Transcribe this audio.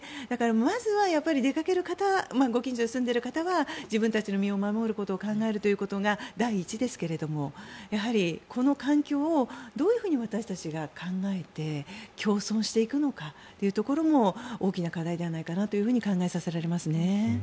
まずは、出かける方ご近所に住んでいる方は自分たちの身を守ることを考えるということが第一ですがこの環境をどういうふうに私たちが考えて共存していくのかというところも大きな課題ではないのかなと考えさせられますね。